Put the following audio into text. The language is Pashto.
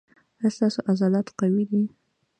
ایا ستاسو عضلات قوي دي؟